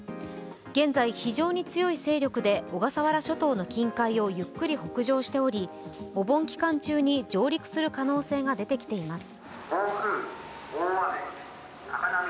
現在、非常に強い勢力で小笠原諸島の近海をゆっくり北上しておりお盆期間中に上陸する可能性が出てきています。